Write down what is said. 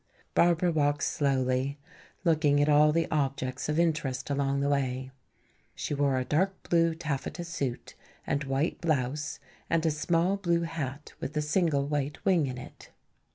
Barbara walked slowly, looking at all the objects of interest along the way. She wore a dark blue taffeta suit and white blouse and a small blue hat with a single white wing in it.